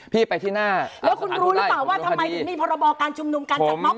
พี่ไปที่หน้าแล้วคุณรู้หรือเปล่าว่าทำไมถึงมีพรบการชุมนุมการจัดม็อบ